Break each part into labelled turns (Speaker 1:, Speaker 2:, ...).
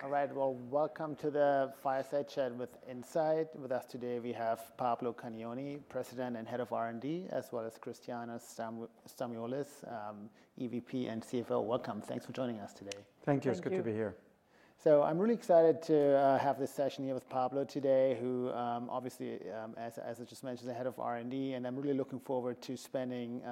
Speaker 1: Great.
Speaker 2: Okay.
Speaker 1: All right, well, welcome to the Fireside Chat with Incyte. With us today, we have Pablo Cagnoni, President and Head of R&D, as well as Christiana Stamoulis, EVP and CFO. Welcome. Thanks for joining us today.
Speaker 3: Thank you. It's good to be here.
Speaker 1: I'm really excited to have this session here with Pablo today, who obviously, as I just mentioned, is the Head of R&D, and I'm really looking forward to spending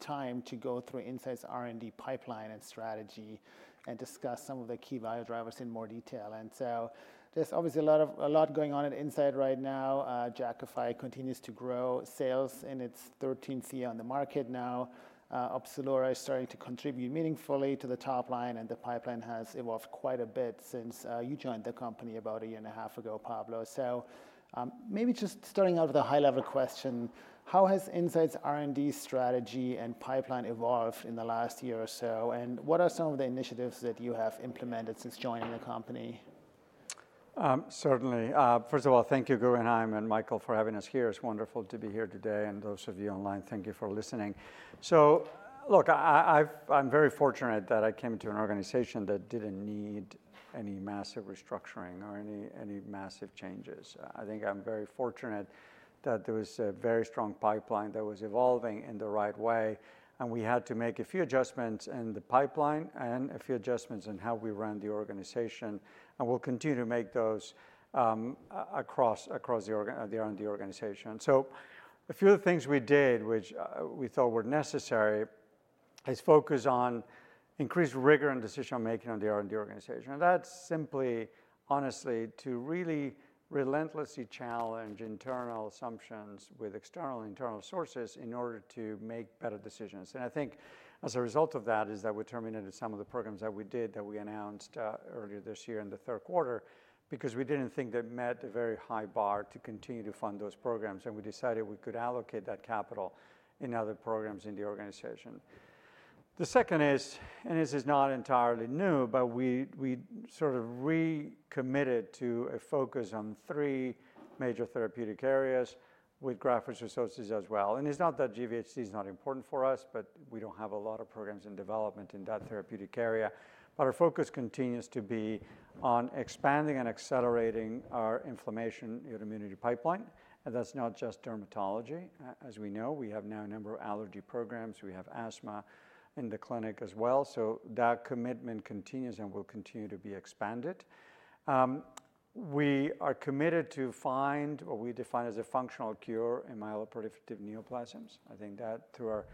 Speaker 1: time to go through Incyte's R&D pipeline and strategy and discuss some of the key value drivers in more detail. There's obviously a lot going on at Incyte right now. Jakafi continues to grow sales in its 13th year on the market now. Opzelura is starting to contribute meaningfully to the top line, and the pipeline has evolved quite a bit since you joined the company about a year and a half ago, Pablo. Maybe just starting out with a high-level question, how has Incyte's R&D strategy and pipeline evolved in the last year or so, and what are some of the initiatives that you have implemented since joining the company?
Speaker 3: Certainly. First of all, thank you, Christiana and Hervé, and Michael, for having us here. It's wonderful to be here today, and those of you online, thank you for listening, so look, I'm very fortunate that I came into an organization that didn't need any massive restructuring or any massive changes. I think I'm very fortunate that there was a very strong pipeline that was evolving in the right way, and we had to make a few adjustments in the pipeline and a few adjustments in how we run the organization, and we'll continue to make those across the R&D organization, so a few of the things we did, which we thought were necessary, is focus on increased rigor in decision-making on the R&D organization, and that's simply, honestly, to really relentlessly challenge internal assumptions with external and internal sources in order to make better decisions. I think as a result of that is that we terminated some of the programs that we did that we announced earlier this year in the third quarter because we didn't think that met a very high bar to continue to fund those programs, and we decided we could allocate that capital in other programs in the organization. The second is, and this is not entirely new, but we sort of recommitted to a focus on three major therapeutic areas with Graft-Versus-Host Disease as well. It's not that GVHD is not important for us, but we don't have a lot of programs in development in that therapeutic area. Our focus continues to be on expanding and accelerating our inflammation immunity pipeline, and that's not just dermatology. As we know, we have now a number of allergy programs. We have asthma in the clinic as well. So that commitment continues and will continue to be expanded. We are committed to find what we define as a functional cure in myeloproliferative neoplasms. I think that through our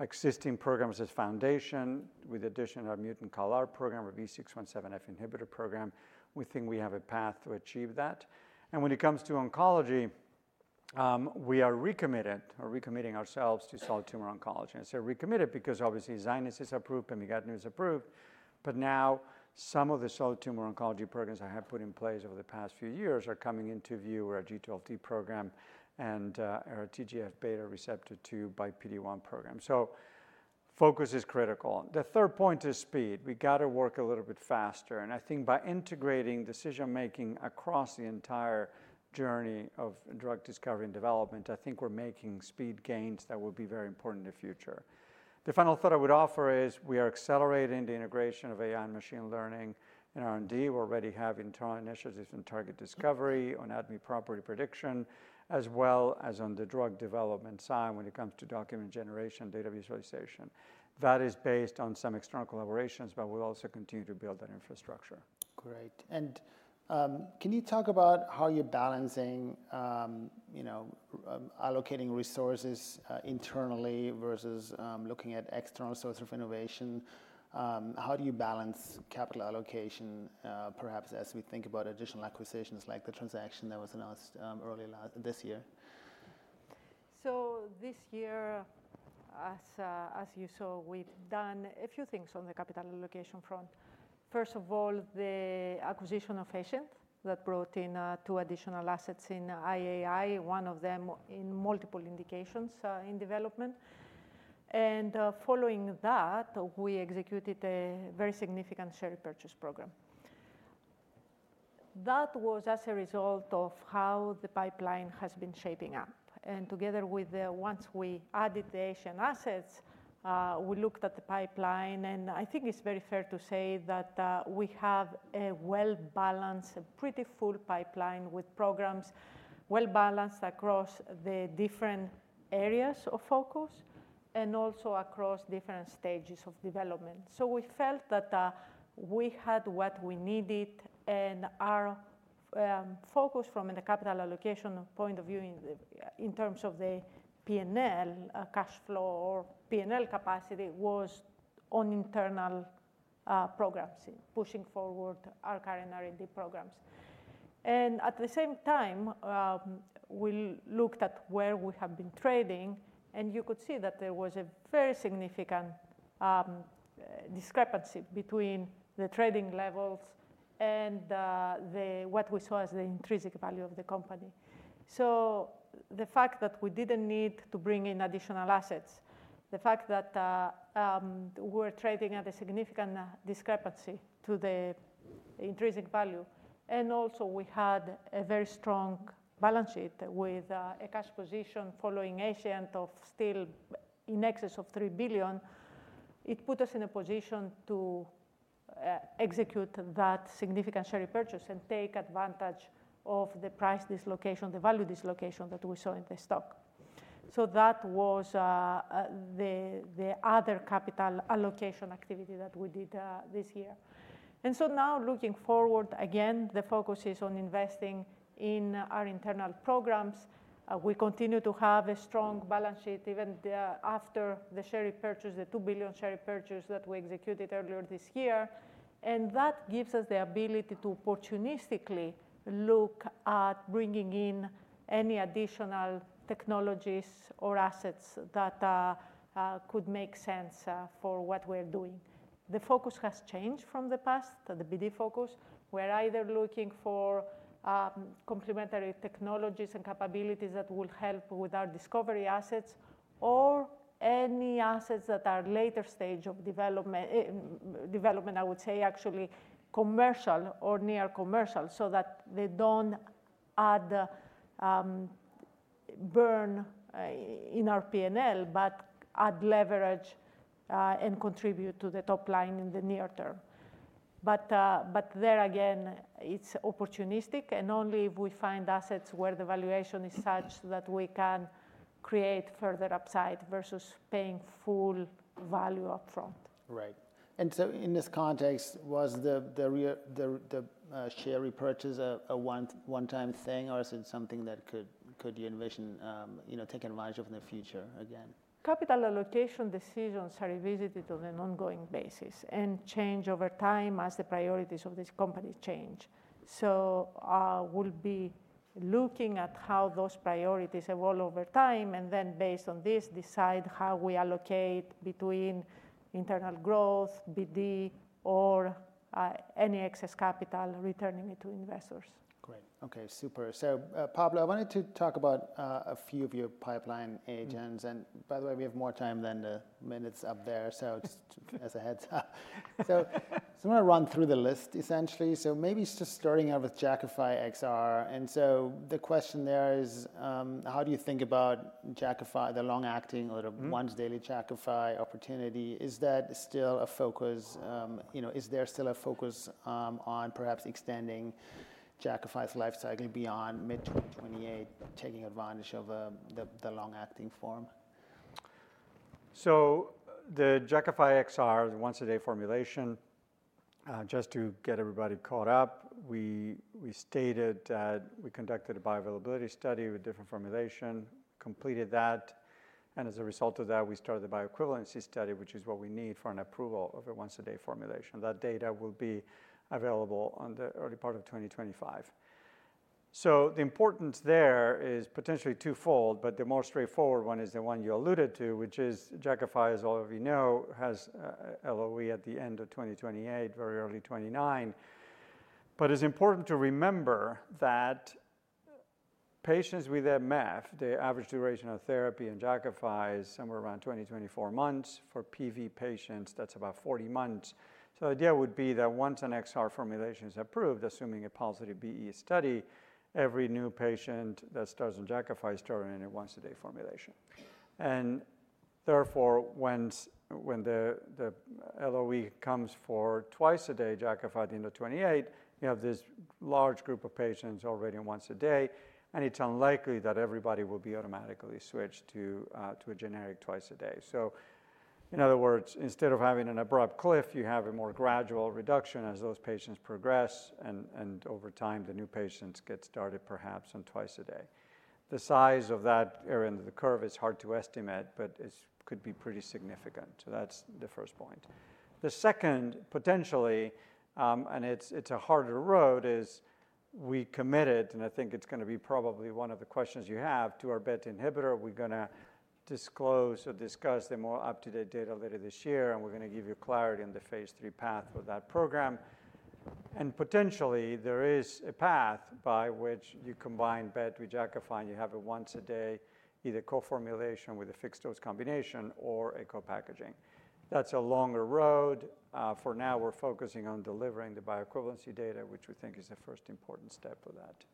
Speaker 3: existing programs as foundation, with the addition of our mutant CALR program, our V617F inhibitor program, we think we have a path to achieve that. And when it comes to oncology, we are recommitted or recommitting ourselves to solid tumor oncology. I say recommitted because obviously Zynyz is approved, Pemigatinib is approved, but now some of the solid tumor oncology programs I have put in place over the past few years are coming into view with our G12D program and our TGF beta receptor 2 by PD-1 program. So focus is critical. The third point is speed. We got to work a little bit faster. I think by integrating decision-making across the entire journey of drug discovery and development, I think we're making speed gains that will be very important in the future. The final thought I would offer is we are accelerating the integration of AI and machine learning in R&D. We already have internal initiatives in target discovery on ADME property prediction, as well as on the drug development side when it comes to document generation, data visualization. That is based on some external collaborations, but we'll also continue to build that infrastructure.
Speaker 1: Great, and can you talk about how you're balancing allocating resources internally versus looking at external sources of innovation? How do you balance capital allocation, perhaps as we think about additional acquisitions like the transaction that was announced early this year?
Speaker 4: So this year, as you saw, we've done a few things on the capital allocation front. First of all, the acquisition of Escient that brought in two additional assets in IAI, one of them in multiple indications in development. And following that, we executed a very significant share purchase program. That was as a result of how the pipeline has been shaping up. And together with, once we added the Escient assets, we looked at the pipeline, and I think it's very fair to say that we have a well-balanced, a pretty full pipeline with programs well-balanced across the different areas of focus and also across different stages of development. So we felt that we had what we needed, and our focus from the capital allocation point of view in terms of the P&L cash flow or P&L capacity was on internal programs, pushing forward our current R&D programs. At the same time, we looked at where we have been trading, and you could see that there was a very significant discrepancy between the trading levels and what we saw as the intrinsic value of the company. So the fact that we didn't need to bring in additional assets, the fact that we were trading at a significant discrepancy to the intrinsic value, and also we had a very strong balance sheet with a cash position following Escient of still in excess of $3 billion, it put us in a position to execute that significant share purchase and take advantage of the price dislocation, the value dislocation that we saw in the stock. So that was the other capital allocation activity that we did this year. Now looking forward, again, the focus is on investing in our internal programs. We continue to have a strong balance sheet even after the share purchase, the $2 billion share purchase that we executed earlier this year, and that gives us the ability to opportunistically look at bringing in any additional technologies or assets that could make sense for what we're doing. The focus has changed from the past, the BD focus. We're either looking for complementary technologies and capabilities that will help with our discovery assets or any assets that are later stage of development, I would say actually commercial or near commercial, so that they don't add burn in our P&L, but add leverage and contribute to the top line in the near term, but there again, it's opportunistic, and only if we find assets where the valuation is such that we can create further upside versus paying full value upfront.
Speaker 1: Right. And so in this context, was the share purchase a one-time thing, or is it something that could you envision taking advantage of in the future again?
Speaker 4: Capital allocation decisions are revisited on an ongoing basis and change over time as the priorities of this company change. So we'll be looking at how those priorities evolve over time and then based on this, decide how we allocate between internal growth, BD, or any excess capital returning it to investors.
Speaker 1: Great. Okay. Super. So Pablo, I wanted to talk about a few of your pipeline agents. And by the way, we have more time than the minutes up there, so just as a heads up. So I'm going to run through the list essentially. So maybe just starting out with Jakafi XR. And so the question there is, how do you think about Jakafi, the long-acting or the once-daily Jakafi opportunity? Is that still a focus? Is there still a focus on perhaps extending Jakafi's lifecycle beyond mid-2028, taking advantage of the long-acting form?
Speaker 3: The Jakafi XR, the once-a-day formulation, just to get everybody caught up, we stated that we conducted a bioavailability study with different formulation, completed that, and as a result of that, we started the bioequivalence study, which is what we need for an approval of a once-a-day formulation. That data will be available in the early part of 2025. The importance there is potentially twofold, but the more straightforward one is the one you alluded to, which is Jakafi, as all of you know, has LOE at the end of 2028, very early 2029. It is important to remember that patients with MF, the average duration of therapy in Jakafi is somewhere around 20-24 months. For PV patients, that is about 40 months. So the idea would be that once an XR formulation is approved, assuming a positive BE study, every new patient that starts on Jakafi is started in a once-a-day formulation. And therefore, when the LOE comes for twice-a-day Jakafi at the end of 2028, you have this large group of patients already once a day, and it's unlikely that everybody will be automatically switched to a generic twice-a-day. So in other words, instead of having an abrupt cliff, you have a more gradual reduction as those patients progress, and over time, the new patients get started perhaps on twice-a-day. The size of that area in the curve is hard to estimate, but it could be pretty significant. So that's the first point. The second, potentially, and it's a harder road, is, we committed, and I think it's going to be probably one of the questions you have, to our BET inhibitor. We're going to disclose or discuss the more up-to-date data later this year, and we're going to give you clarity on the phase three path for that program, and potentially, there is a path by which you combine BET with Jakafi. You have a once-a-day either co-formulation with a fixed dose combination or a co-packaging. That's a longer road. For now, we're focusing on delivering the bioequivalency data, which we think is the first important step for that.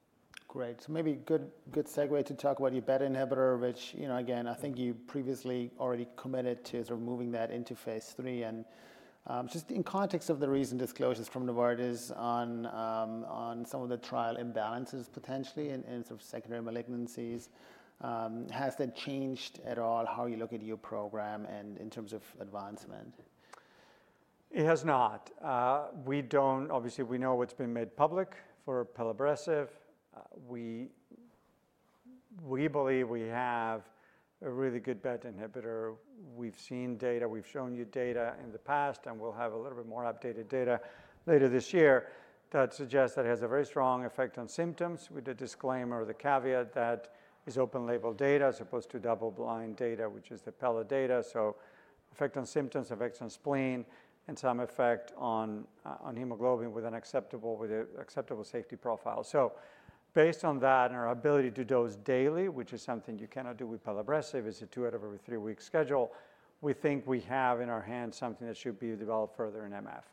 Speaker 1: Great. So maybe good segue to talk about your BET inhibitor, which again, I think you previously already committed to sort of moving that into phase 3. And just in context of the recent disclosures from Novartis on some of the trial imbalances potentially in sort of secondary malignancies, has that changed at all how you look at your program and in terms of advancement?
Speaker 3: It has not. Obviously, we know what has been made public for Pelabresib. We believe we have a really good BET inhibitor. We have seen data. We have shown you data in the past, and we will have a little bit more updated data later this year that suggests that it has a very strong effect on symptoms with the disclaimer or the caveat that it is open-label data as opposed to double-blind data, which is the Pelabresib data. Effect on symptoms, effects on spleen, and some effect on hemoglobin with an acceptable safety profile. Based on that and our ability to dose daily, which is something you cannot do with Pelabresib, it is a two out of every three-week schedule, we think we have in our hands something that should be developed further in MF.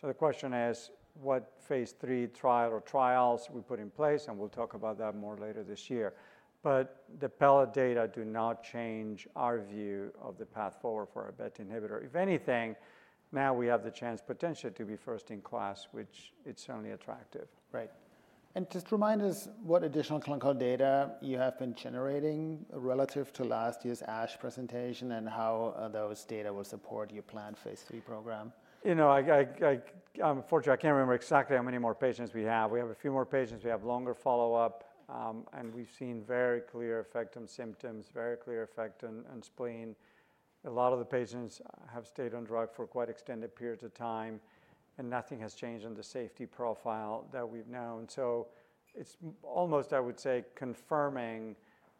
Speaker 3: So the question is, what phase 3 trial or trials we put in place, and we'll talk about that more later this year. But the Pelabresib data do not change our view of the path forward for our BET inhibitor. If anything, now we have the chance potentially to be first in class, which it's certainly attractive.
Speaker 1: Right, and just remind us what additional clinical data you have been generating relative to last year's ASH presentation and how those data will support your planned Phase 3 program.
Speaker 3: You know, unfortunately, I can't remember exactly how many more patients we have. We have a few more patients. We have longer follow-up, and we've seen very clear effect on symptoms, very clear effect on spleen. A lot of the patients have stayed on drug for quite extended periods of time, and nothing has changed in the safety profile that we've known. So it's almost, I would say, confirming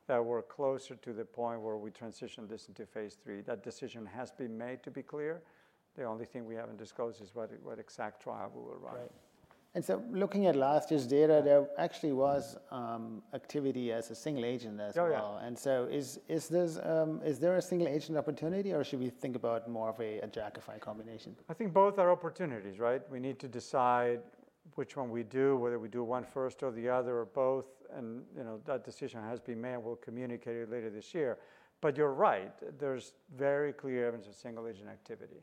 Speaker 3: that we're closer to the point where we transition this into phase three. That decision has been made to be clear. The only thing we haven't disclosed is what exact trial we will run.
Speaker 1: Right. And so looking at last year's data, there actually was activity as a single agent as well. And so is there a single agent opportunity, or should we think about more of a Jakafi combination?
Speaker 3: I think both are opportunities, right? We need to decide which one we do, whether we do one first or the other or both. And that decision has been made. We'll communicate it later this year. But you're right. There's very clear evidence of single agent activity.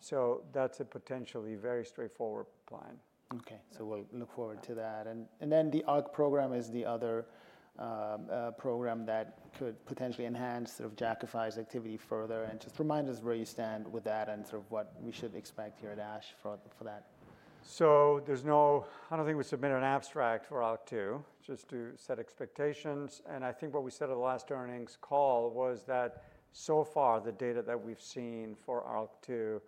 Speaker 3: So that's a potentially very straightforward plan.
Speaker 1: Okay. So we'll look forward to that. And then the ALK2 program is the other program that could potentially enhance sort of Jakafi's activity further. And just remind us where you stand with that and sort of what we should expect here at ASH for that.
Speaker 3: So I don't think we submitted an abstract for ALK2 just to set expectations. And I think what we said at the last earnings call was that so far, the data that we've seen for ALK2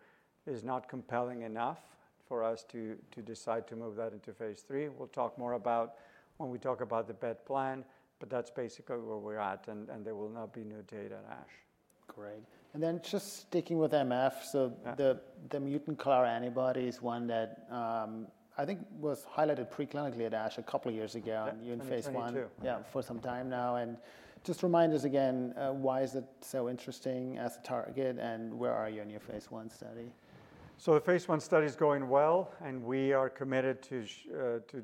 Speaker 3: is not compelling enough for us to decide to move that into phase 3. We'll talk more about when we talk about the BET plan, but that's basically where we're at, and there will not be new data at ASH.
Speaker 1: Great. Then just sticking with MF, so the mutant CALR antibody is one that I think was highlighted preclinically at ASH a couple of years ago in phase 1.
Speaker 3: Yeah, phase two.
Speaker 1: Yeah, for some time now. And just remind us again, why is it so interesting as a target, and where are you in your phase one study?
Speaker 3: The phase 1 study is going well, and we are committed to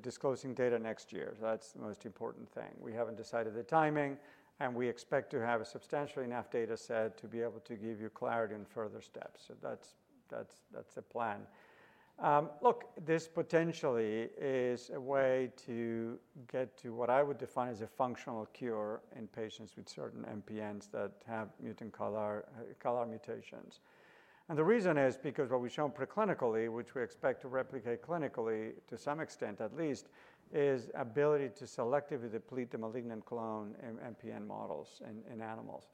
Speaker 3: disclosing data next year. That's the most important thing. We haven't decided the timing, and we expect to have a substantial enough data set to be able to give you clarity on further steps. That's the plan. Look, this potentially is a way to get to what I would define as a functional cure in patients with certain MPNs that have mutant CALR mutations. The reason is because what we've shown preclinically, which we expect to replicate clinically to some extent at least, is ability to selectively deplete the malignant clone MPN models in animals.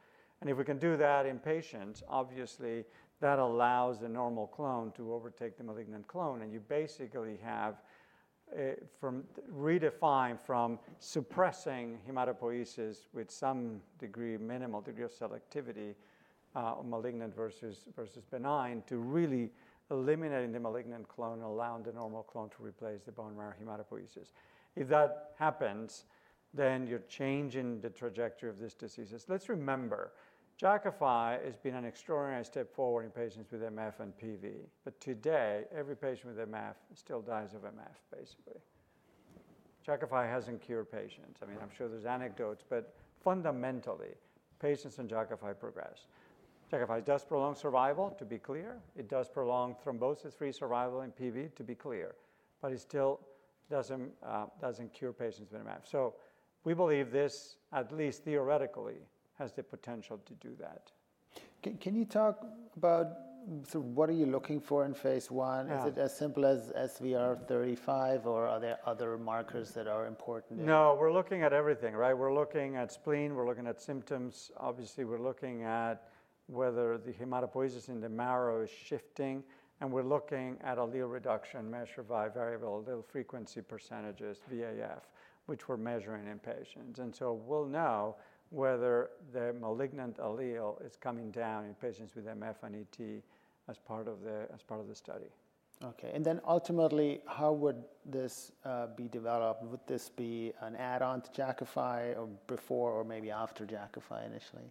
Speaker 3: If we can do that in patients, obviously, that allows the normal clone to overtake the malignant clone. You basically have redefined from suppressing hematopoiesis with some degree, minimal degree of selectivity, malignant versus benign, to really eliminating the malignant clone, allowing the normal clone to replace the bone marrow hematopoiesis. If that happens, then you're changing the trajectory of this disease. Let's remember, Jakafi has been an extraordinary step forward in patients with MF and PV, but today, every patient with MF still dies of MF, basically. Jakafi hasn't cured patients. I mean, I'm sure there's anecdotes, but fundamentally, patients on Jakafi progress. Jakafi does prolong survival, to be clear. It does prolong thrombosis-free survival in PV, to be clear. But it still doesn't cure patients with MF. So we believe this, at least theoretically, has the potential to do that.
Speaker 1: Can you talk about what are you looking for in phase 1? Is it as simple as SVR35, or are there other markers that are important?
Speaker 3: No, we're looking at everything, right? We're looking at spleen. We're looking at symptoms. Obviously, we're looking at whether the hematopoiesis in the marrow is shifting, and we're looking at allele reduction, measured by variable allele frequency percentages, VAF, which we're measuring in patients, and so we'll know whether the malignant allele is coming down in patients with MF and ET as part of the study.
Speaker 1: Okay. And then ultimately, how would this be developed? Would this be an add-on to Jakafi before or maybe after Jakafi initially?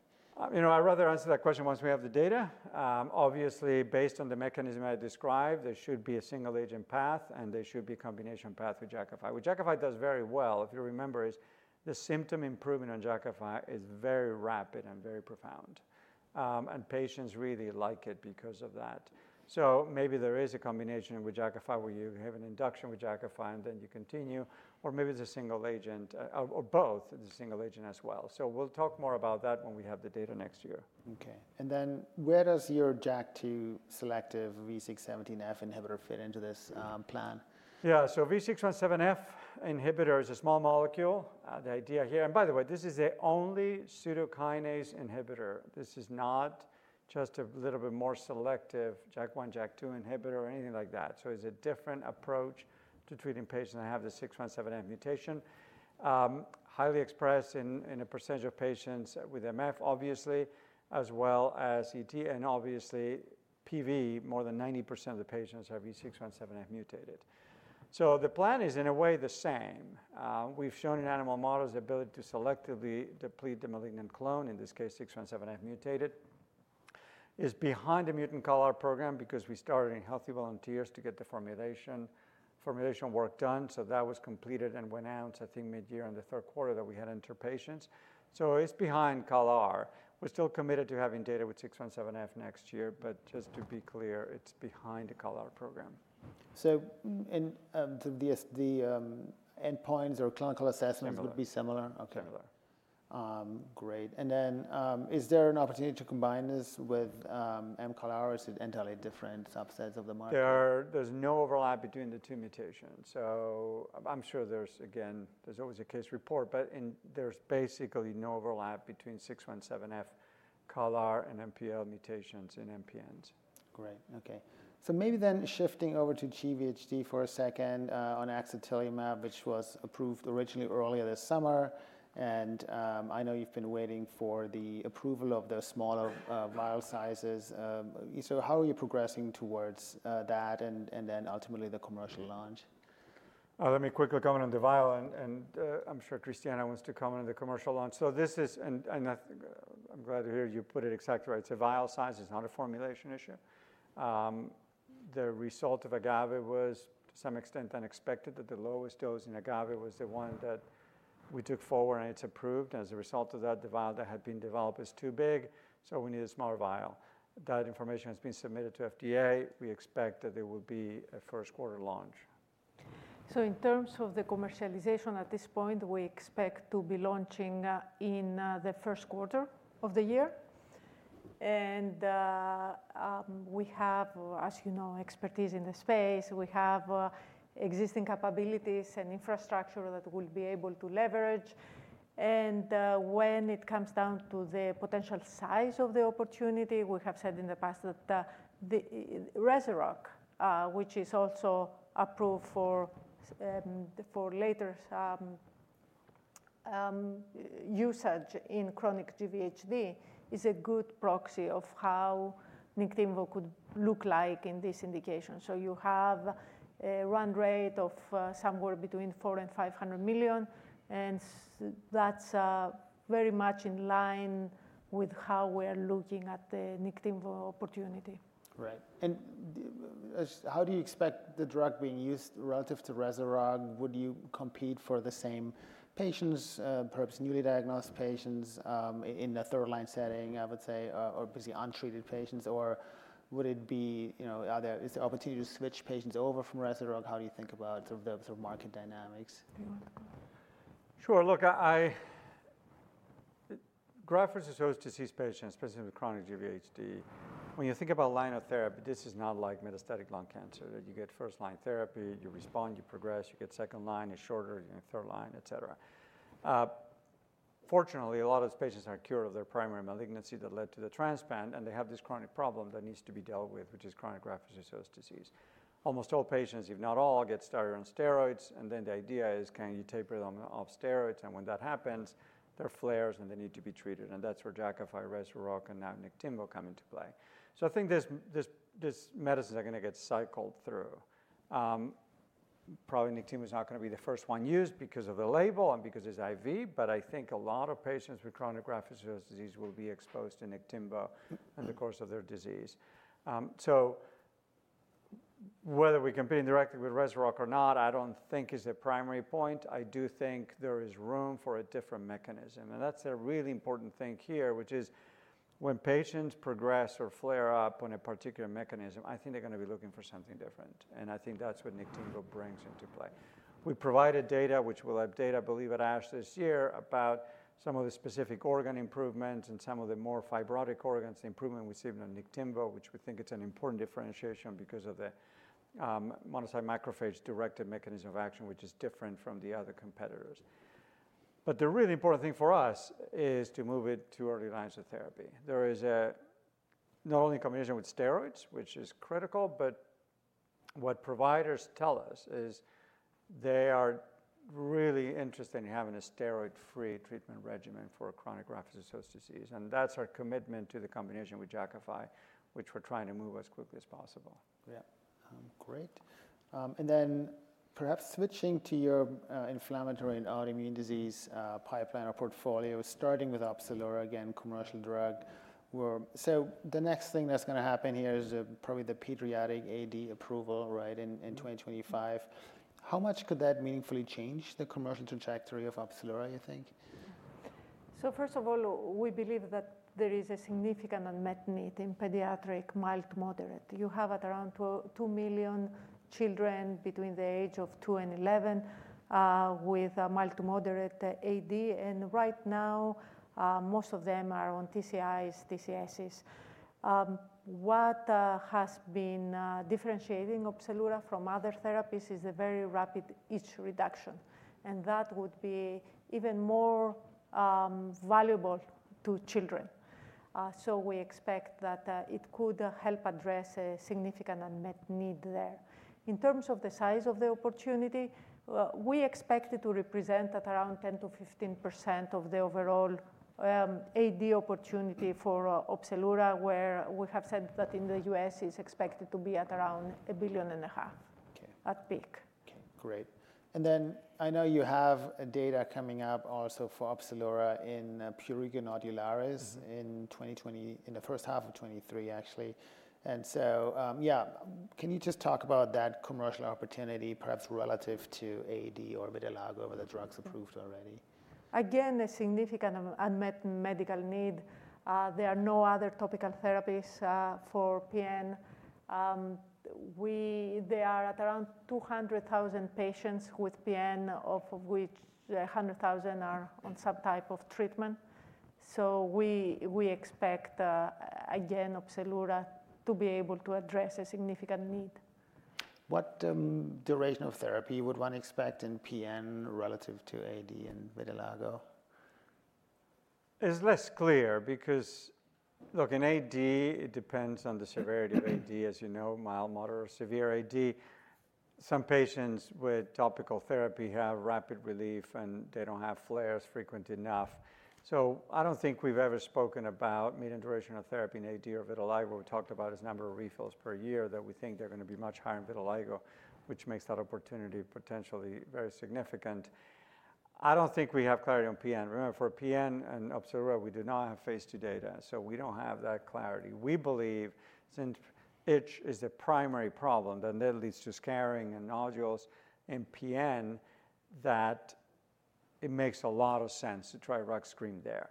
Speaker 3: You know, I'd rather answer that question once we have the data. Obviously, based on the mechanism I described, there should be a single agent path, and there should be a combination path with Jakafi. What Jakafi does very well, if you remember, is the symptom improvement on Jakafi is very rapid and very profound, and patients really like it because of that, so maybe there is a combination with Jakafi where you have an induction with Jakafi, and then you continue, or maybe it's a single agent or both, the single agent as well, so we'll talk more about that when we have the data next year.
Speaker 1: Okay, and then where does your JAK2 selective V617F inhibitor fit into this plan?
Speaker 3: Yeah. So the V617F inhibitor is a small molecule. The idea here and by the way, this is the only pseudokinase inhibitor. This is not just a little bit more selective JAK1, JAK2 inhibitor or anything like that. So it's a different approach to treating patients that have the 617F mutation, highly expressed in a percentage of patients with MF, obviously, as well as ET, and obviously, PV. More than 90% of the patients have V617F mutated. So the plan is in a way the same. We've shown in animal models the ability to selectively deplete the malignant clone, in this case, 617F mutated. It's behind the mutant CALR program because we started in healthy volunteers to get the formulation work done. So that was completed and went out, I think, mid-year in the third quarter that we had entered patients. So it's behind CALR. We're still committed to having data with 617F next year, but just to be clear, it's behind the CALR program.
Speaker 1: The endpoints or clinical assessments would be similar?
Speaker 3: Similar.
Speaker 1: Okay. Great, and then is there an opportunity to combine this with mCALR? Is it entirely different subsets of the market?
Speaker 3: There's no overlap between the two mutations. So I'm sure there's, again, always a case report, but there's basically no overlap between V617F, CALR, and MPL mutations in MPNs.
Speaker 1: Great. Okay. So maybe then shifting over to GVHD for a second on axatilimab, which was approved originally earlier this summer. And I know you've been waiting for the approval of the smaller vial sizes. So how are you progressing towards that and then ultimately the commercial launch?
Speaker 3: Let me quickly comment on the vial, and I'm sure Christiana wants to comment on the commercial launch. So this is, and I'm glad to hear you put it exactly right. So vial size is not a formulation issue. The result of Agave was, to some extent, unexpected that the lowest dose in Agave was the one that we took forward, and it's approved. As a result of that, the vial that had been developed is too big, so we need a smaller vial. That information has been submitted to FDA. We expect that there will be a first quarter launch.
Speaker 4: So in terms of the commercialization at this point, we expect to be launching in the first quarter of the year. And we have, as you know, expertise in the space. We have existing capabilities and infrastructure that we'll be able to leverage. And when it comes down to the potential size of the opportunity, we have said in the past that Rezurock, which is also approved for later usage in chronic GVHD, is a good proxy of how Niktimvo could look like in this indication. So you have a run rate of somewhere between $400 million and $500 million, and that's very much in line with how we are looking at the Niktimvo opportunity.
Speaker 1: Right. And how do you expect the drug being used relative to Rezurock? Would you compete for the same patients, perhaps newly diagnosed patients in a third-line setting, I would say, or basically untreated patients, or would it be, is there opportunity to switch patients over from Rezurock? How do you think about sort of the market dynamics?
Speaker 3: Sure. Look, graft-versus-host disease patients, especially with chronic GVHD, when you think about line of therapy, this is not like metastatic lung cancer that you get first-line therapy. You respond, you progress, you get second line, it's shorter, you're in third line, et cetera. Fortunately, a lot of these patients are cured of their primary malignancy that led to the transplant, and they have this chronic problem that needs to be dealt with, which is chronic graft-versus-host disease. Almost all patients, if not all, get started on steroids, and then the idea is, can you taper them off steroids? And when that happens, there are flares, and they need to be treated. And that's where Jakafi, Rezurock, and now Niktimvo come into play. So I think these medicines are going to get cycled through. Probably Niktimvo is not going to be the first one used because of the label and because it's IV, but I think a lot of patients with chronic graft-versus-host disease will be exposed to Niktimvo in the course of their disease. So whether we compete directly with Rezurock or not, I don't think is the primary point. I do think there is room for a different mechanism. And that's a really important thing here, which is when patients progress or flare up on a particular mechanism, I think they're going to be looking for something different. And I think that's what Niktimvo brings into play. We provided data, which we'll update, I believe, at ASH this year about some of the specific organ improvements and some of the more fibrotic organs, the improvement we've seen on Niktimvo, which we think is an important differentiation because of the monocyte macrophage-directed mechanism of action, which is different from the other competitors, but the really important thing for us is to move it to early lines of therapy. There is not only a combination with steroids, which is critical, but what providers tell us is they are really interested in having a steroid-free treatment regimen for chronic graft-versus-host disease, and that's our commitment to the combination with Jakafi, which we're trying to move as quickly as possible.
Speaker 1: Yeah. Great. And then perhaps switching to your inflammatory and autoimmune disease pipeline or portfolio, starting with Opzelura, again, commercial drug. So the next thing that's going to happen here is probably the pediatric AD approval, right, in 2025. How much could that meaningfully change the commercial trajectory of Opzelura, you think?
Speaker 4: First of all, we believe that there is a significant unmet need in pediatric mild to moderate. You have around two million children between the age of two and 11 with mild to moderate AD. Right now, most of them are on TCIs, TCSs. What has been differentiating Opzelura from other therapies is the very rapid itch reduction, and that would be even more valuable to children. We expect that it could help address a significant unmet need there. In terms of the size of the opportunity, we expect it to represent around 10%-15% of the overall AD opportunity for Opzelura, where we have said that in the U.S. is expected to be around $1.5 billion at peak.
Speaker 1: Okay. Great. And then I know you have data coming up also for Opzelura in prurigo nodularis in the first half of 2023, actually. And so, yeah, can you just talk about that commercial opportunity, perhaps relative to AD or vitiligo over the drugs approved already?
Speaker 4: Again, a significant unmet medical need. There are no other topical therapies for PN. They are at around 200,000 patients with PN, of which 100,000 are on some type of treatment, so we expect, again, Opzelura to be able to address a significant need.
Speaker 1: What duration of therapy would one expect in PN relative to AD and vitiligo?
Speaker 3: It's less clear because, look, in AD, it depends on the severity of AD, as you know, mild, moderate, or severe AD. Some patients with topical therapy have rapid relief, and they don't have flares frequent enough. So I don't think we've ever spoken about median duration of therapy in AD or vitiligo. We've talked about a number of refills per year that we think they're going to be much higher in vitiligo, which makes that opportunity potentially very significant. I don't think we have clarity on PN. Remember, for PN and Opzelura, we do not have phase 2 data, so we don't have that clarity. We believe since itch is the primary problem, then that leads to scarring and nodules in PN, that it makes a lot of sense to try a rux cream there.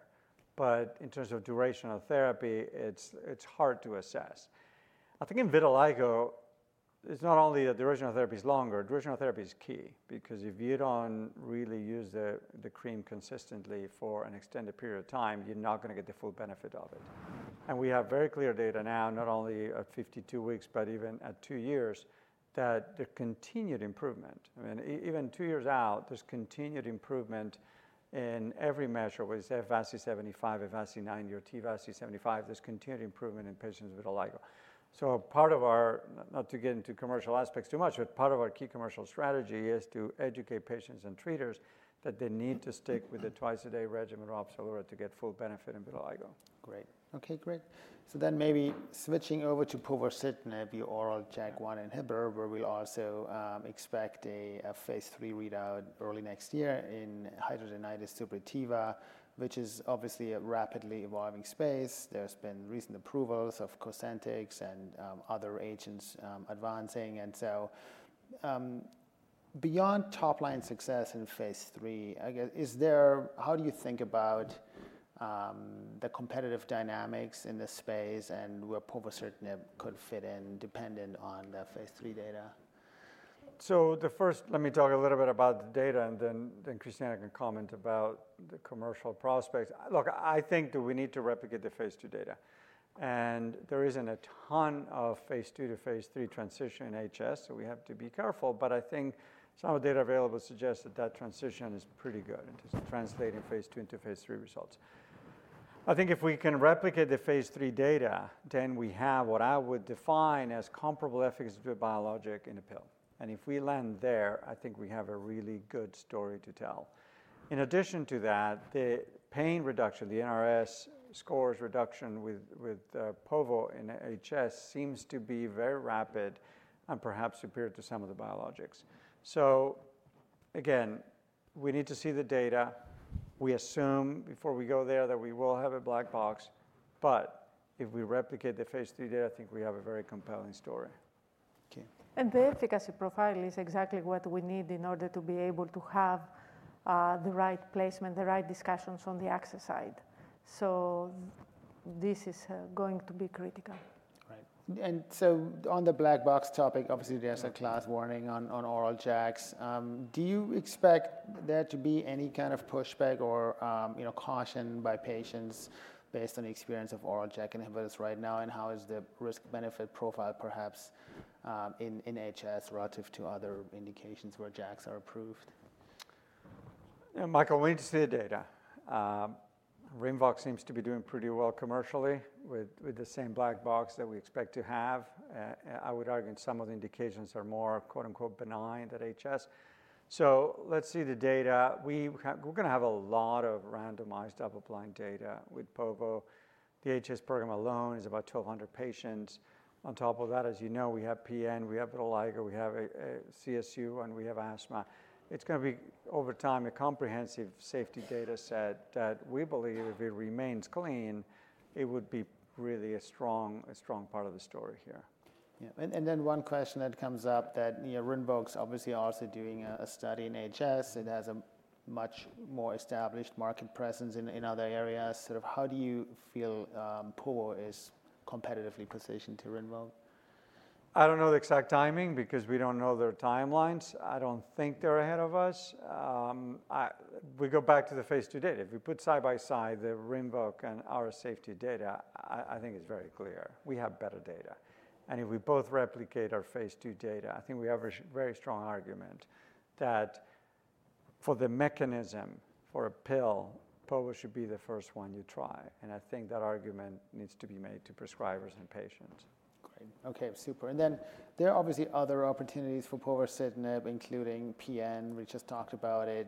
Speaker 3: But in terms of duration of therapy, it's hard to assess. I think in vitiligo, it's not only that duration of therapy is longer. Duration of therapy is key because if you don't really use the cream consistently for an extended period of time, you're not going to get the full benefit of it. And we have very clear data now, not only at 52 weeks, but even at two years, that there's continued improvement. I mean, even two years out, there's continued improvement in every measure, whether it's T-VASI 75, F-VASI 90, or F-VASI 75. There's continued improvement in patients with vitiligo. So part of our, not to get into commercial aspects too much, but part of our key commercial strategy is to educate patients and treaters that they need to stick with the twice-a-day regimen of Opzelura to get full benefit in vitiligo.
Speaker 1: Great. Okay. Great. So then maybe switching over to Povercitinib, the oral JAK1 inhibitor, where we also expect a phase three readout early next year in hidradenitis suppurativa, which is obviously a rapidly evolving space. There's been recent approvals of Cosentyx and other agents advancing. And so beyond top-line success in phase three, how do you think about the competitive dynamics in this space and where Povercitinib could fit in dependent on the phase three data?
Speaker 3: So first, let me talk a little bit about the data, and then Christiana can comment about the commercial prospects. Look, I think that we need to replicate the phase two data. And there isn't a ton of phase two to phase three transition in HS, so we have to be careful. But I think some of the data available suggests that that transition is pretty good in terms of translating phase two into phase three results. I think if we can replicate the phase three data, then we have what I would define as comparable efficacy to biologic in a pill. And if we land there, I think we have a really good story to tell. In addition to that, the pain reduction, the NRS scores reduction with Povo in HS seems to be very rapid and perhaps superior to some of the biologics. So again, we need to see the data. We assume before we go there that we will have a black box. But if we replicate the phase three data, I think we have a very compelling story.
Speaker 4: The efficacy profile is exactly what we need in order to be able to have the right placement, the right discussions on the access side. This is going to be critical.
Speaker 1: Right, and so on the black box topic, obviously there's a class warning on oral JAKs. Do you expect there to be any kind of pushback or caution by patients based on the experience of oral JAK inhibitors right now, and how is the risk-benefit profile perhaps in HS relative to other indications where JAKs are approved?
Speaker 3: Yeah, Michael, we need to see the data. Rinvoq seems to be doing pretty well commercially with the same black box that we expect to have. I would argue some of the indications are more "benign" at HS. So let's see the data. We're going to have a lot of randomized double-blind data with Povo. The HS program alone is about 1,200 patients. On top of that, as you know, we have PN, we have vitiligo, we have CSU, and we have asthma. It's going to be, over time, a comprehensive safety data set that we believe if it remains clean, it would be really a strong part of the story here.
Speaker 1: Yeah, and then one question that comes up that Rinvoq obviously also doing a study in HS. It has a much more established market presence in other areas. Sort of how do you feel Povo is competitively positioned to Rinvoq?
Speaker 3: I don't know the exact timing because we don't know their timelines. I don't think they're ahead of us. We go back to the phase 2 data. If we put side by side the Rinvoq and our safety data, I think it's very clear. We have better data, and if we both replicate our phase 2 data, I think we have a very strong argument that for the mechanism for a pill, Povo should be the first one you try, and I think that argument needs to be made to prescribers and patients.
Speaker 1: Great. Okay. Super. And then there are obviously other opportunities for Povercitinib, including PN. We just talked about it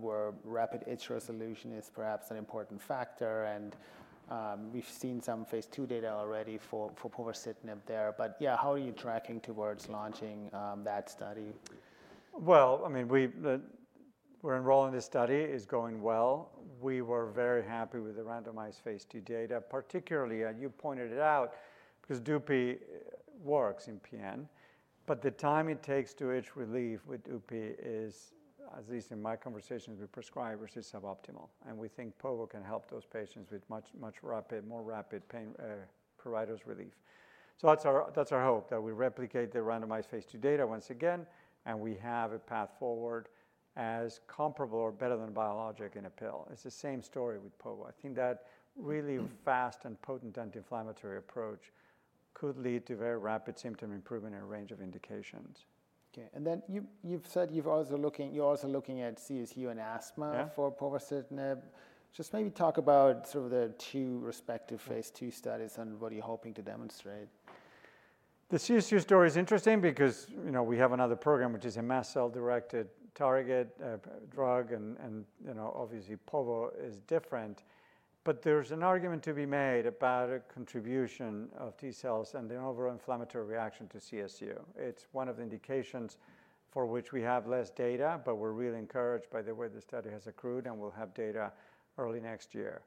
Speaker 1: where rapid itch resolution is perhaps an important factor. And we've seen some phase two data already for Povercitinib there. But yeah, how are you tracking towards launching that study?
Speaker 3: I mean, we're enrolling this study. It's going well. We were very happy with the randomized phase two data, particularly, and you pointed it out because Dupi works in PN, but the time it takes to itch relief with Dupi is, at least in my conversations with prescribers, suboptimal, and we think Povo can help those patients with much more rapid provide relief. That's our hope that we replicate the randomized phase two data once again, and we have a path forward as comparable or better than biologic in a pill. It's the same story with Povo. I think that really fast and potent anti-inflammatory approach could lead to very rapid symptom improvement in a range of indications.
Speaker 1: Okay, and then you've said you're also looking at CSU and asthma for Povercitinib. Just maybe talk about sort of the two respective phase two studies and what you're hoping to demonstrate.
Speaker 3: The CSU story is interesting because we have another program, which is a mast cell-directed target drug, and obviously Povo is different. But there's an argument to be made about a contribution of T cells and the overall inflammatory reaction to CSU. It's one of the indications for which we have less data, but we're really encouraged by the way the study has accrued, and we'll have data early next year.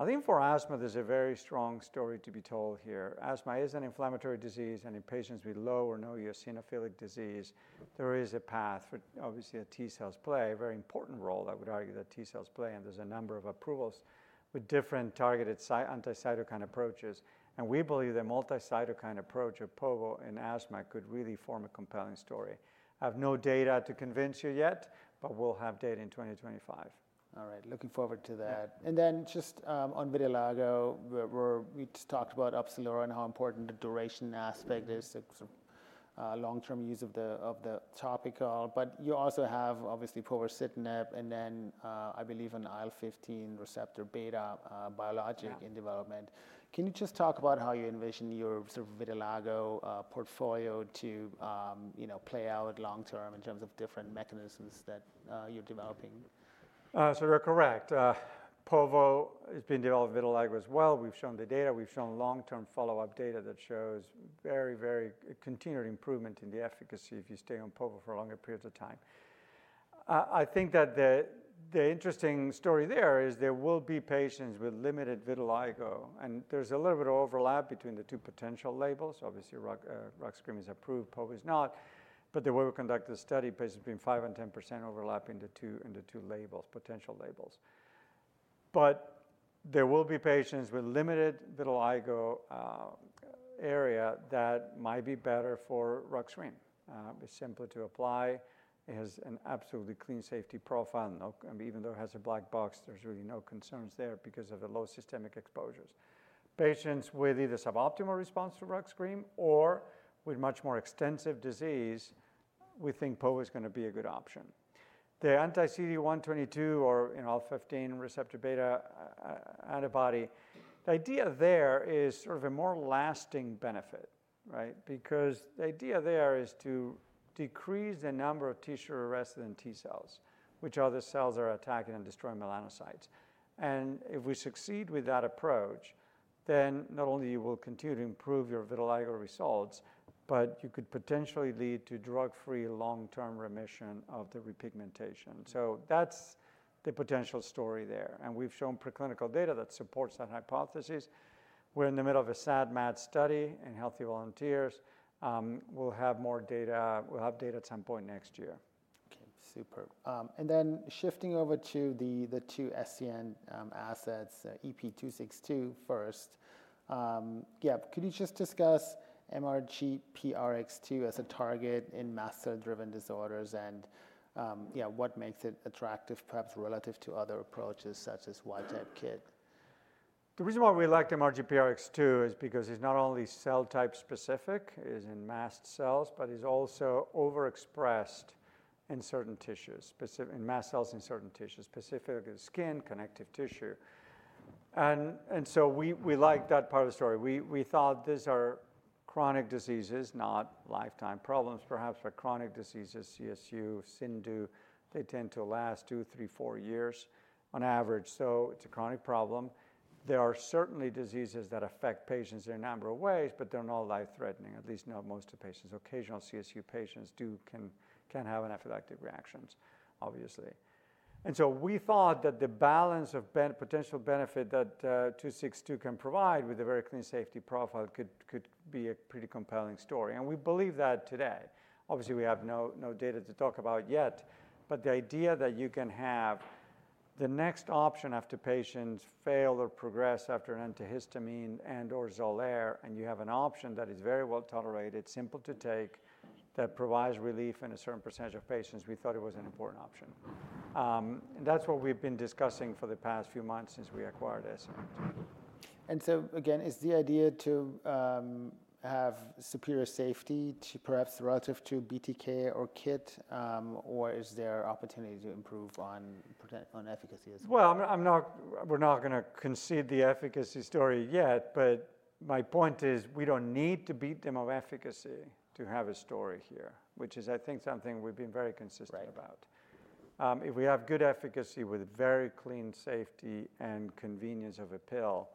Speaker 3: I think for asthma, there's a very strong story to be told here. Asthma is an inflammatory disease, and in patients with low or no eosinophilic disease, there is a path for obviously a T cells play, a very important role I would argue that T cells play. And there's a number of approvals with different targeted anti-cytokine approaches. And we believe the multi-cytokine approach of Povo in asthma could really form a compelling story. I have no data to convince you yet, but we'll have data in 2025.
Speaker 1: All right. Looking forward to that, and then just on vitiligo, we just talked about Opzelura and how important the duration aspect is, the long-term use of the topical. But you also have obviously povercitinib, and then I believe an IL-15 receptor beta biologic in development. Can you just talk about how you envision your vitiligo portfolio to play out long-term in terms of different mechanisms that you're developing?
Speaker 3: You're correct. Povo, it's been developed with vitiligo as well. We've shown the data. We've shown long-term follow-up data that shows very, very continued improvement in the efficacy if you stay on Povo for longer periods of time. I think that the interesting story there is there will be patients with limited vitiligo, and there's a little bit of overlap between the two potential labels. Obviously, Opzelura is approved, Povo is not. But the way we conduct the study, patients between 5% and 10% overlap in the two potential labels. But there will be patients with limited vitiligo area that might be better for Opzelura. It's simpler to apply. It has an absolutely clean safety profile. Even though it has a black box, there's really no concerns there because of the low systemic exposures. Patients with either suboptimal response to Rux cream or with much more extensive disease, we think Povo is going to be a good option. The anti-CD122 or IL-15 receptor beta antibody, the idea there is sort of a more lasting benefit, right? Because the idea there is to decrease the number of autoreactive T cells, which are the cells that are attacking and destroying melanocytes. If we succeed with that approach, then not only will you continue to improve your vitiligo results, but you could potentially lead to drug-free long-term remission of the repigmentation. So that's the potential story there. We've shown preclinical data that supports that hypothesis. We're in the middle of a SAD/MAD study in healthy volunteers. We'll have more data. We'll have data at some point next year.
Speaker 1: Okay. Super. And then shifting over to the two SCN assets, EP262 first. Yeah, could you just discuss MRGPRX2 as a target in mast cell-driven disorders and what makes it attractive perhaps relative to other approaches such as wild-type KIT?
Speaker 3: The reason why we like MRGPRX2 is because it's not only cell-type specific, it is in mast cells, but it's also overexpressed in certain tissues, in mast cells in certain tissues, specifically the skin, connective tissue, and so we like that part of the story. We thought these are chronic diseases, not lifetime problems perhaps, but chronic diseases, CSU, CIndU, they tend to last two, three, four years on average, so it's a chronic problem. There are certainly diseases that affect patients in a number of ways, but they're not life-threatening, at least not most of the patients. Occasional CSU patients can have anaphylactic reactions, obviously, and so we thought that the balance of potential benefit that 262 can provide with a very clean safety profile could be a pretty compelling story, and we believe that today. Obviously, we have no data to talk about yet, but the idea that you can have the next option after patients fail or progress after an antihistamine and/or Xolair, and you have an option that is very well tolerated, simple to take, that provides relief in a certain percentage of patients, we thought it was an important option. And that's what we've been discussing for the past few months since we acquired SCN.
Speaker 1: Again, is the idea to have superior safety perhaps relative to BTK or KIT, or is there opportunity to improve on efficacy as well?
Speaker 3: We're not going to concede the efficacy story yet, but my point is we don't need to beat them on efficacy to have a story here, which is, I think, something we've been very consistent about. If we have good efficacy with very clean safety and convenience of a pill,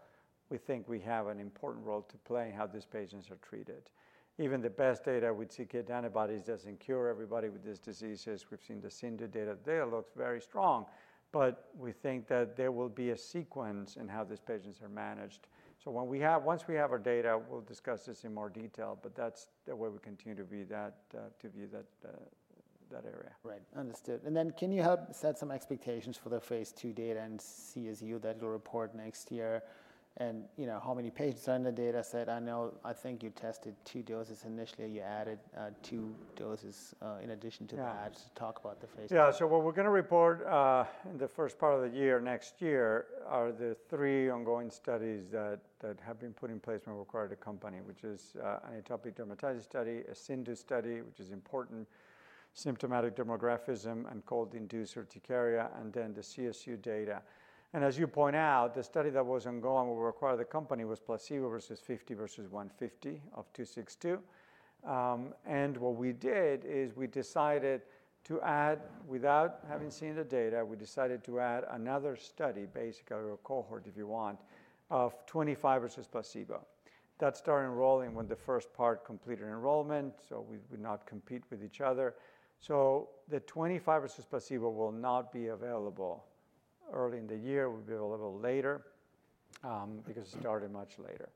Speaker 3: we think we have an important role to play in how these patients are treated. Even the best data with c-KIT antibodies doesn't cure everybody with these diseases. We've seen the CIndU data. The data looks very strong, but we think that there will be a sequence in how these patients are managed. Once we have our data, we'll discuss this in more detail, but that's the way we continue to view that area.
Speaker 1: Right. Understood. And then can you set some expectations for the phase two data and CSU that you'll report next year? And how many patients are in the data set? I know I think you tested two doses initially. You added two doses in addition to that to talk about the phase two.
Speaker 3: Yeah. So what we're going to report in the first part of the year next year are the three ongoing studies that have been put in place and required by the company, which is an atopic dermatitis study, a CIndU study, which is important, symptomatic dermographism, and cold-induced urticaria, and then the CSU data. And as you point out, the study that was ongoing, required by the company, was placebo versus 50 versus 150 of 262. And what we did is we decided to add, without having seen the data, we decided to add another study, basically a cohort, if you want, of 25 versus placebo. That started enrolling when the first part completed enrollment, so we would not compete with each other. So the 25 versus placebo will not be available early in the year. It will be available later because it started much later.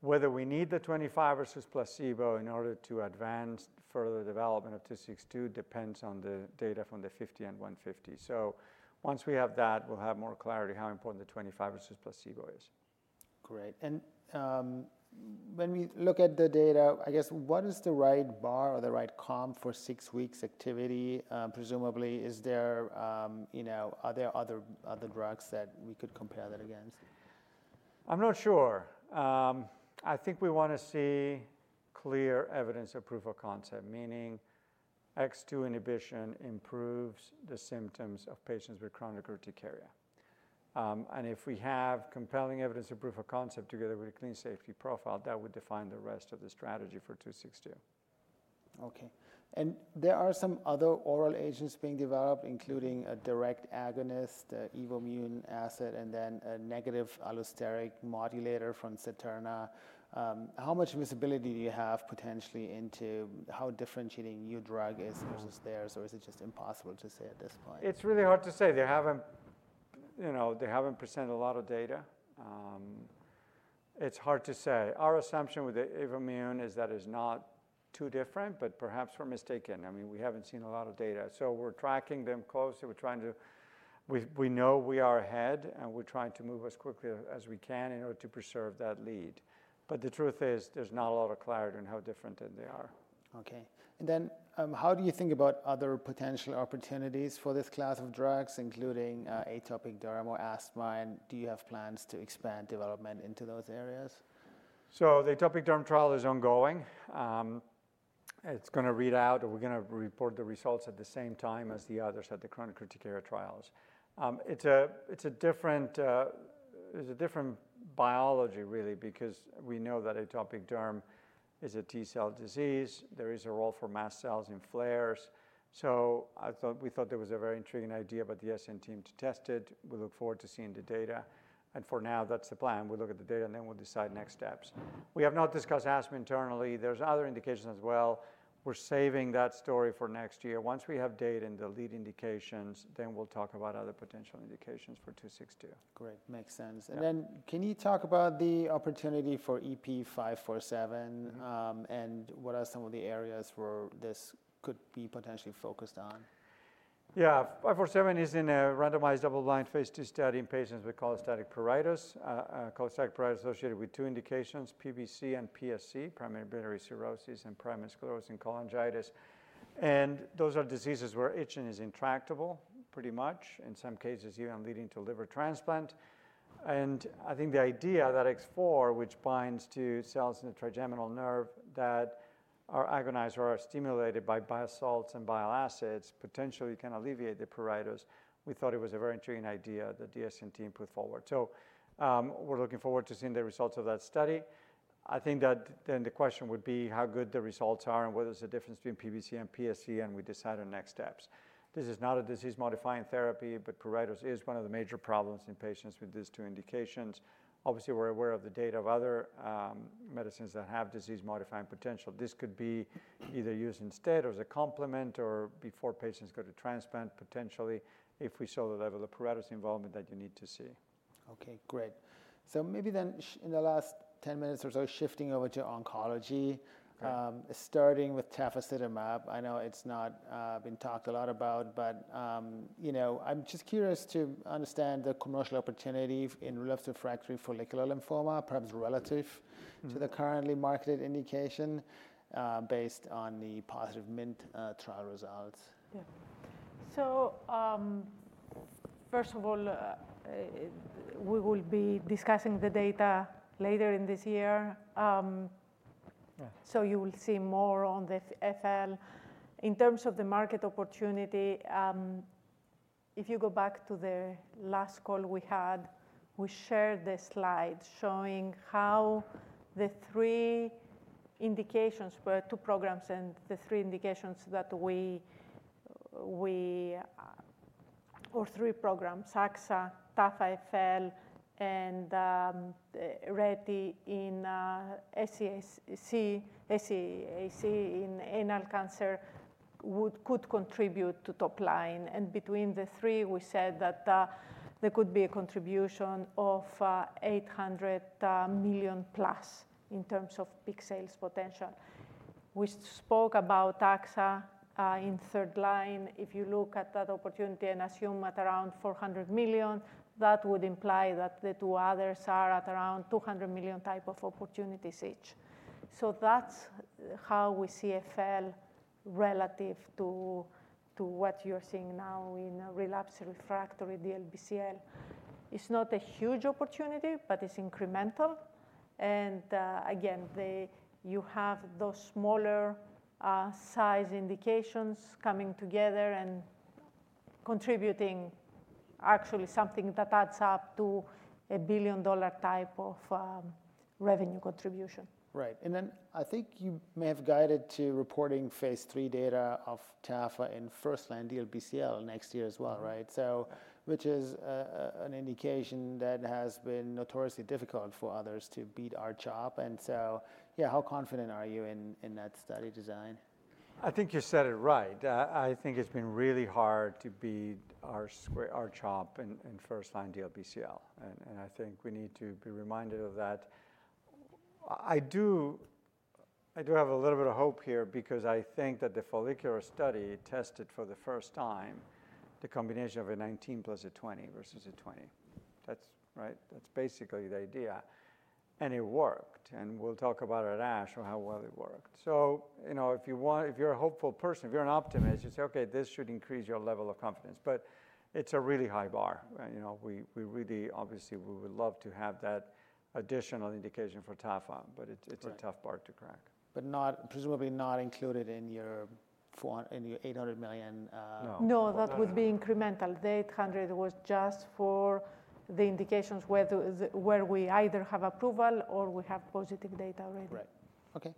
Speaker 3: Whether we need the 25 versus placebo in order to advance further development of 262 depends on the data from the 50 and 150. So once we have that, we'll have more clarity on how important the 25 versus placebo is.
Speaker 1: Great. And when we look at the data, I guess, what is the right bar or the right comp for six weeks activity? Presumably, are there other drugs that we could compare that against?
Speaker 3: I'm not sure. I think we want to see clear evidence of proof of concept, meaning X2 inhibition improves the symptoms of patients with chronic urticaria. And if we have compelling evidence of proof of concept together with a clean safety profile, that would define the rest of the strategy for 262.
Speaker 1: Okay. There are some other oral agents being developed, including a direct agonist, the EvoImmune asset, and then a negative allosteric modulator from Septerna. How much visibility do you have potentially into how differentiating your drug is versus theirs, or is it just impossible to say at this point?
Speaker 3: It's really hard to say. They haven't presented a lot of data. It's hard to say. Our assumption with the EvoImmune is that it's not too different, but perhaps we're mistaken. I mean, we haven't seen a lot of data. So we're tracking them closely. We know we are ahead, and we're trying to move as quickly as we can in order to preserve that lead. But the truth is there's not a lot of clarity on how different they are.
Speaker 1: Okay. And then how do you think about other potential opportunities for this class of drugs, including atopic dermatitis? And do you have plans to expand development into those areas?
Speaker 3: The atopic derm trial is ongoing. It's going to read out, and we're going to report the results at the same time as the others at the chronic urticaria trials. It's a different biology, really, because we know that atopic derm is a T cell disease. There is a role for mast cells in flares, so we thought there was a very intriguing idea about the SCN team to test it. We look forward to seeing the data, and for now, that's the plan. We'll look at the data, and then we'll decide next steps. We have not discussed asthma internally. There's other indications as well. We're saving that story for next year. Once we have data and the lead indications, then we'll talk about other potential indications for 262.
Speaker 1: Great. Makes sense, and then can you talk about the opportunity for EP547 and what are some of the areas where this could be potentially focused on?
Speaker 3: Yeah. 547 is in a randomized double-blind phase two study in patients with cholestatic pruritus, cholestatic pruritus associated with two indications, PBC and PSC, primary biliary cholangitis and primary sclerosing cholangitis. And those are diseases where itching is intractable pretty much, in some cases even leading to liver transplant. And I think the idea that X4, which binds to cells in the trigeminal nerve that are agonized or are stimulated by bile salts and bile acids potentially can alleviate the pruritus, we thought it was a very intriguing idea that the Escient team put forward. So we're looking forward to seeing the results of that study. I think that then the question would be how good the results are and whether there's a difference between PBC and PSC, and we decide on next steps. This is not a disease-modifying therapy, but pruritus is one of the major problems in patients with these two indications. Obviously, we're aware of the data of other medicines that have disease-modifying potential. This could be either used instead or as a complement or before patients go to transplant potentially if we saw the level of pruritus involvement that you need to see.
Speaker 1: Okay. Great. So maybe then in the last 10 minutes or so, shifting over to oncology, starting with Tafasitamab. I know it's not been talked a lot about, but I'm just curious to understand the commercial opportunity in relapsed refractory follicular lymphoma, perhaps relative to the currently marketed indication based on the positive inMIND trial results.
Speaker 4: Yeah. So, first of all, we will be discussing the data later in this year. So you will see more on the FL. In terms of the market opportunity, if you go back to the last call we had, we shared the slides showing how the three indications were two programs and the three indications that we or three programs, AXA, Tafa-FL, and Reti in SCAC in anal cancer could contribute to top line. And between the three, we said that there could be a contribution of $800 million plus in terms of big sales potential. We spoke about AXA in third line. If you look at that opportunity and assume at around $400 million, that would imply that the two others are at around $200 million type of opportunities each. So that's how we see FL relative to what you're seeing now in relapse refractory DLBCL. It's not a huge opportunity, but it's incremental, and again, you have those smaller size indications coming together and contributing actually something that adds up to a billion-dollar type of revenue contribution.
Speaker 1: Right. And then I think you may have guided to reporting phase 3 data of Tafasitamab in first-line DLBCL next year as well, right? So which is an indication that has been notoriously difficult for others to beat R-CHOP. And so, yeah, how confident are you in that study design?
Speaker 3: I think you said it right. I think it's been really hard to beat R-CHOP in first-line DLBCL. And I think we need to be reminded of that. I do have a little bit of hope here because I think that the follicular study tested for the first time the combination of CD19 plus CD20 versus CD20. That's basically the idea. And it worked. And we'll talk about it at ASH how well it worked. So if you're a hopeful person, if you're an optimist, you say, "Okay, this should increase your level of confidence." But it's a really high bar. We really, obviously, we would love to have that additional indication for Tafasitamab, but it's a tough bar to crack.
Speaker 1: But presumably not included in your $800 million.
Speaker 4: No, that would be incremental. The 800 was just for the indications where we either have approval or we have positive data already.
Speaker 1: Right. Okay.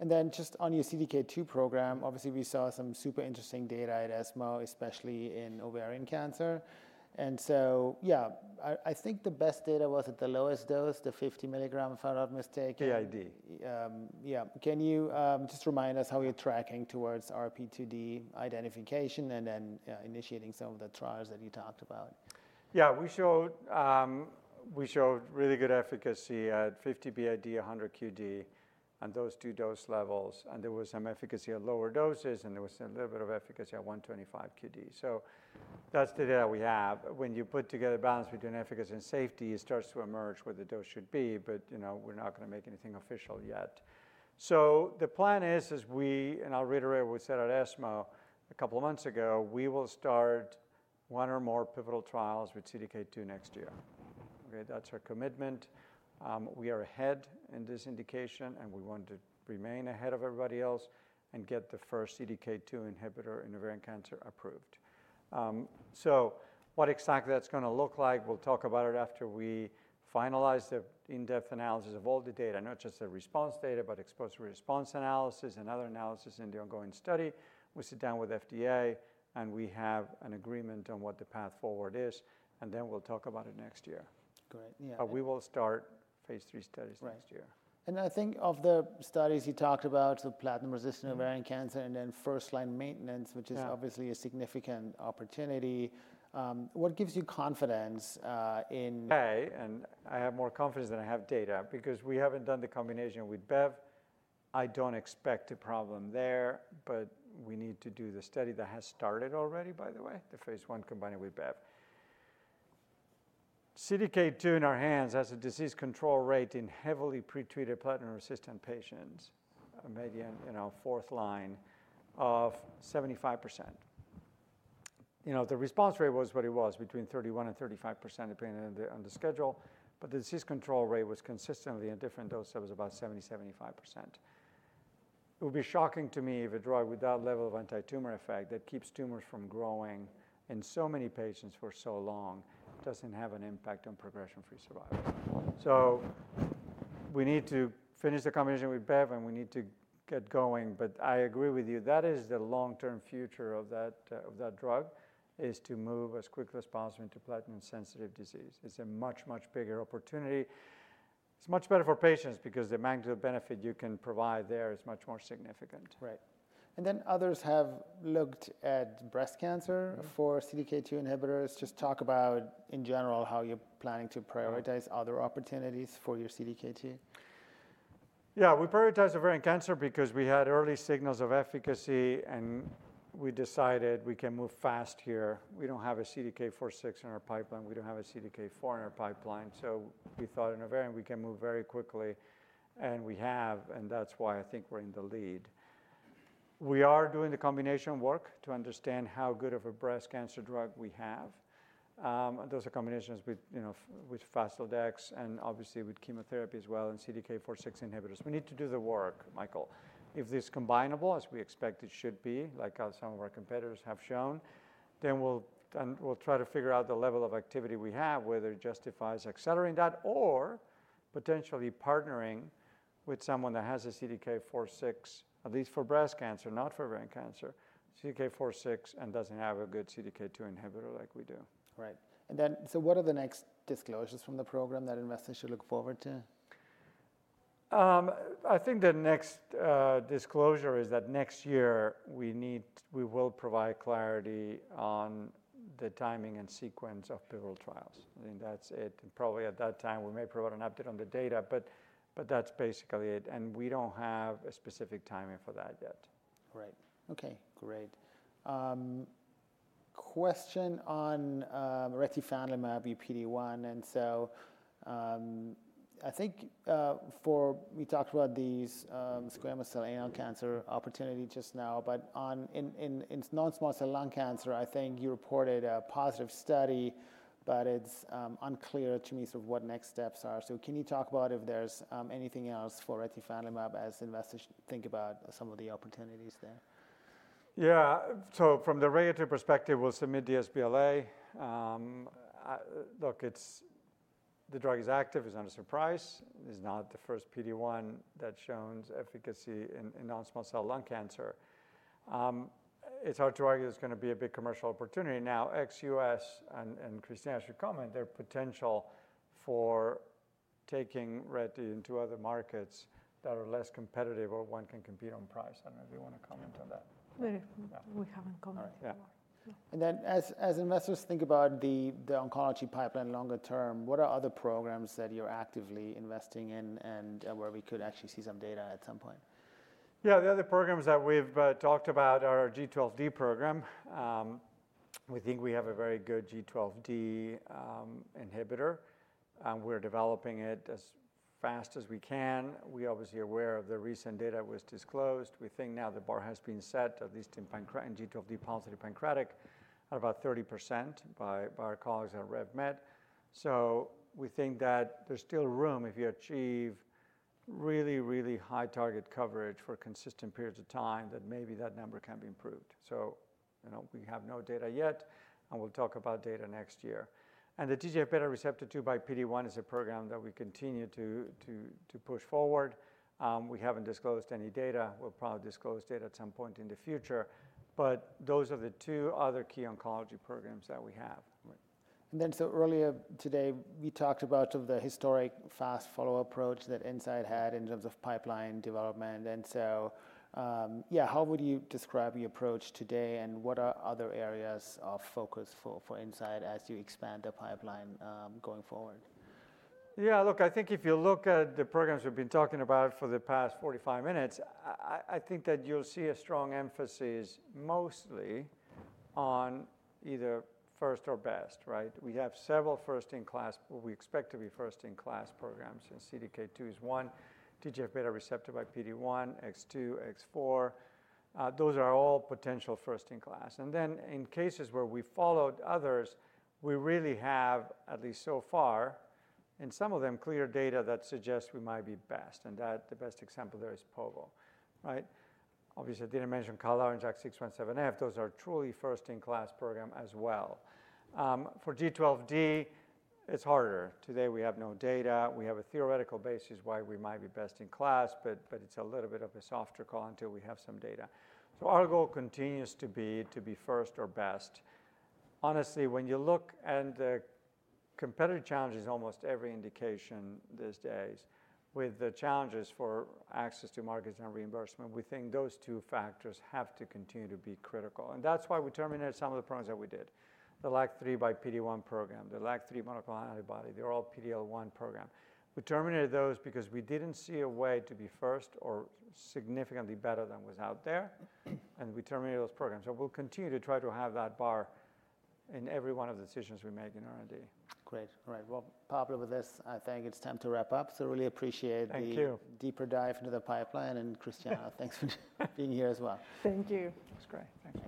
Speaker 1: And then just on your CDK2 program, obviously, we saw some super interesting data at ESMO, especially in ovarian cancer. And so, yeah, I think the best data was at the lowest dose, the 50 milligram, if I'm not mistaken.
Speaker 3: BID.
Speaker 1: Yeah. Can you just remind us how you're tracking towards RP2D identification and then initiating some of the trials that you talked about?
Speaker 3: Yeah. We showed really good efficacy at 50 BID, 100 QD on those two dose levels. And there was some efficacy at lower doses, and there was a little bit of efficacy at 125 QD. So that's the data we have. When you put together balance between efficacy and safety, it starts to emerge what the dose should be, but we're not going to make anything official yet. So the plan is, and I'll reiterate what we said at ESMO a couple of months ago, we will start one or more pivotal trials with CDK2 next year. That's our commitment. We are ahead in this indication, and we want to remain ahead of everybody else and get the first CDK2 inhibitor in ovarian cancer approved. So what exactly that's going to look like, we'll talk about it after we finalize the in-depth analysis of all the data, not just the response data, but exposure response analysis and other analysis in the ongoing study. We sit down with FDA, and we have an agreement on what the path forward is. And then we'll talk about it next year.
Speaker 1: Great. Yeah.
Speaker 3: But we will start phase three studies next year.
Speaker 1: I think of the studies you talked about, so platinum-resistant ovarian cancer and then first-line maintenance, which is obviously a significant opportunity. What gives you confidence in?
Speaker 3: Pablo, and I have more confidence than I have data because we haven't done the combination with Bev. I don't expect a problem there, but we need to do the study that has started already, by the way, the phase 1 combined with Bev. CDK2 in our hands has a disease control rate in heavily pretreated platinum-resistant patients, maybe in our fourth line of 75%. The response rate was what it was, between 31% and 35% depending on the schedule, but the disease control rate was consistently a different dose that was about 70%-75%. It would be shocking to me if a drug with that level of anti-tumor effect that keeps tumors from growing in so many patients for so long doesn't have an impact on progression-free survival. So we need to finish the combination with Bev, and we need to get going. But I agree with you. That is the long-term future of that drug, is to move as quickly as possible into platinum-sensitive disease. It's a much, much bigger opportunity. It's much better for patients because the magnificent benefit you can provide there is much more significant.
Speaker 1: Right. And then others have looked at breast cancer for CDK2 inhibitors. Just talk about, in general, how you're planning to prioritize other opportunities for your CDK2.
Speaker 3: Yeah. We prioritize ovarian cancer because we had early signals of efficacy, and we decided we can move fast here. We don't have a CDK4/6 in our pipeline. We don't have a CDK4 in our pipeline. So we thought in ovarian, we can move very quickly, and we have, and that's why I think we're in the lead. We are doing the combination work to understand how good of a breast cancer drug we have. Those are combinations with Faslodex and obviously with chemotherapy as well and CDK4/6 inhibitors. We need to do the work, Michael. If this is combinable, as we expect it should be, like some of our competitors have shown, then we'll try to figure out the level of activity we have, whether it justifies accelerating that or potentially partnering with someone that has a CDK4/6, at least for breast cancer, not for ovarian cancer, CDK4/6 and doesn't have a good CDK2 inhibitor like we do.
Speaker 1: Right. And then so what are the next disclosures from the program that investors should look forward to?
Speaker 3: I think the next disclosure is that next year we will provide clarity on the timing and sequence of pivotal trials. I think that's it. And probably at that time, we may provide an update on the data, but that's basically it. And we don't have a specific timing for that yet.
Speaker 1: Right. Okay. Great. Question on retifanlimab, your PD-1. And so I think we talked about these squamous cell anal cancer opportunity just now, but in non-small cell lung cancer, I think you reported a positive study, but it's unclear to me sort of what next steps are. So can you talk about if there's anything else for retifanlimab as investors think about some of the opportunities there?
Speaker 3: Yeah. So from the regulatory perspective, we'll submit sBLA. Look, the drug is active. It's unsurprising. It's not the first PD-1 that shows efficacy in non-small cell lung cancer. It's hard to argue it's going to be a big commercial opportunity. Now, ex-U.S. and Christiana Stamoulis comment, their potential for taking Reti into other markets that are less competitive or one can compete on price. I don't know if you want to comment on that.
Speaker 4: We haven't commented on that.
Speaker 1: As investors think about the oncology pipeline longer term, what are other programs that you're actively investing in and where we could actually see some data at some point?
Speaker 3: Yeah. The other programs that we've talked about are our G12D program. We think we have a very good G12D inhibitor. We're developing it as fast as we can. We're obviously aware of the recent data that was disclosed. We think now the bar has been set, at least in G12D-positive pancreatic, at about 30% by our colleagues at RevMed. So we think that there's still room if you achieve really, really high target coverage for consistent periods of time that maybe that number can be improved. So we have no data yet, and we'll talk about data next year. And the TGF-beta receptor 2 x PD-1 is a program that we continue to push forward. We haven't disclosed any data. We'll probably disclose data at some point in the future. But those are the two other key oncology programs that we have.
Speaker 1: And then so earlier today, we talked about sort of the historic fast follow-up approach that Incyte had in terms of pipeline development. And so, yeah, how would you describe your approach today and what are other areas of focus for Incyte as you expand the pipeline going forward?
Speaker 3: Yeah. Look, I think if you look at the programs we've been talking about for the past 45 minutes, I think that you'll see a strong emphasis mostly on either first or best, right? We have several first-in-class, what we expect to be first-in-class programs since CDK2 is one, TGF-beta receptor, PD-1, X2, X4. Those are all potential first-in-class. And then in cases where we followed others, we really have, at least so far, in some of them, clear data that suggests we might be best. And the best example there is Povo, right? Obviously, I didn't mention mCALR, JAK2 V617F. Those are truly first-in-class programs as well. For G12D, it's harder. Today, we have no data. We have a theoretical basis why we might be best in class, but it's a little bit of a softer call until we have some data. So our goal continues to be to be first or best. Honestly, when you look at the competitive challenges, almost every indication these days with the challenges for access to markets and reimbursement, we think those two factors have to continue to be critical. And that's why we terminated some of the programs that we did, the LAG-3 by PD-1 program, the LAG-3 monoclonal antibody. The oral PD-L1 program. We terminated those because we didn't see a way to be first or significantly better than what was out there. And we terminated those programs. So we'll continue to try to have that bar in every one of the decisions we make in R&D.
Speaker 1: Great. All right. Well, Pablo, with this, I think it's time to wrap up. So really appreciate the.
Speaker 3: Thank you.
Speaker 1: Deeper dive into the pipeline, and Christiana, thanks for being here as well.
Speaker 4: Thank you.
Speaker 1: That was great. Thanks.